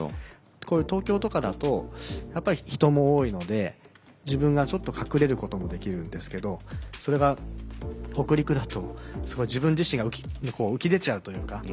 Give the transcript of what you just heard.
こういう東京とかだとやっぱり人も多いので自分がちょっと隠れることもできるんですけどそれが北陸だと自分自身が浮き出ちゃうというか。